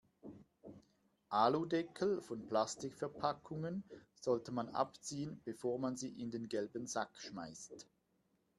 Aludeckel von Plastikverpackungen sollte man abziehen, bevor man sie in den gelben Sack schmeißt.